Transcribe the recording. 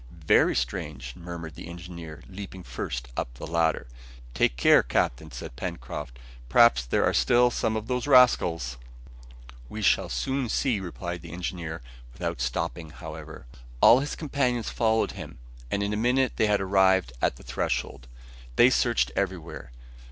"Very strange!" murmured the engineer, leaping first up the ladder. "Take care, captain!" cried Pencroft, "perhaps there are still some of these rascals..." "We shall soon see," replied the engineer, without stopping however. All his companions followed him, and in a minute they had arrived at the threshold. They searched everywhere.